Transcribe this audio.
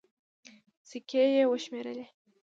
سيکې يې وشمېرلې.